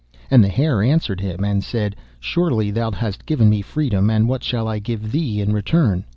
And the Hare answered him, and said: 'Surely thou hast given me freedom, and what shall I give thee in return?